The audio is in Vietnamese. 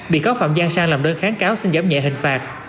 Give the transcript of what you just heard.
bị cáo phạm giang sang làm đơn kháng cáo xin giảm nhẹ hình phạt